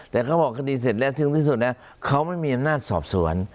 แต่เขาบอกคดีเสร็จแล้วถึงที่สุดนะเขาไม่มีอำนาจสอบสวน